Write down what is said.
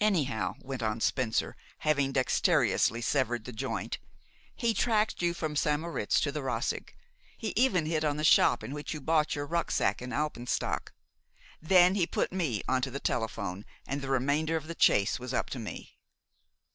"Anyhow," went on Spencer, having dexterously severed the joint, "he tracked you from St. Moritz to the Roseg. He even hit on the shop in which you bought your rucksack and alpenstock. Then he put me on to the telephone, and the remainder of the chase was up to me."